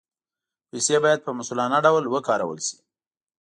پیسې باید په مسؤلانه ډول وکارول شي.